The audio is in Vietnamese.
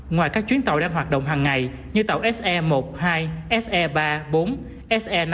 ngoài các chuyến tàu đang hoạt động hằng ngày như tàu se một hai se ba bốn se năm